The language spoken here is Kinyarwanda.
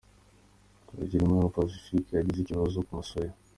Twagirimana Pacifque yagize ikibazo ku musaya .